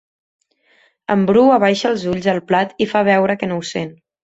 El Bru abaixa els ulls al plat i fa veure que no ho sent.